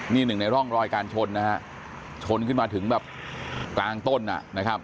นี่หนึ่งในร่องรอยการชนนะฮะชนขึ้นมาถึงแบบกลางต้นอ่ะนะครับ